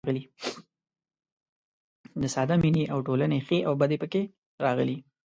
د ساده مینې او ټولنې ښې او بدې پکې راغلي.